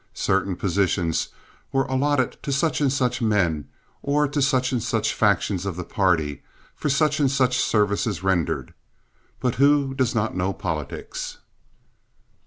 Certain positions were allotted to such and such men or to such and such factions of the party for such and such services rendered—but who does not know politics?